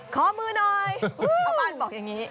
ขอมือหน่อยชาวบ้านบอกอย่างนี้